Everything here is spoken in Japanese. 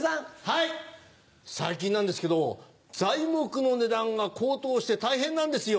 最近なんですけど材木の値段が高騰して大変なんですよ。